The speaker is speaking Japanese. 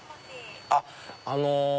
あっあの。